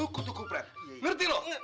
kutuk kupret ngerti lo